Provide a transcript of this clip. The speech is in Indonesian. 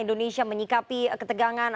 indonesia menyikapi ketegangan